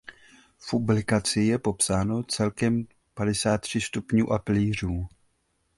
V publikaci je popsáno celkem padesát tři sloupů a pilířů.